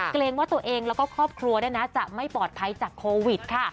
เกรงว่าตัวเองแล้วก็ครอบครัวจะไม่ปลอดภัยจากโควิดค่ะ